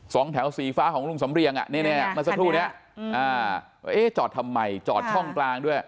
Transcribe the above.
สองแถวสีฟ้าของลุงสำเรียงอ่ะเนี่ยเมื่อสักครู่นี้จอดทำไมจอดช่องกลางด้วย